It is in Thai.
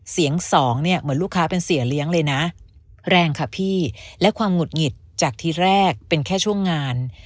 สองเนี่ยเหมือนลูกค้าเป็นเสียเลี้ยงเลยนะแรงค่ะพี่และความหุดหงิดจากทีแรกเป็นแค่ช่วงงาน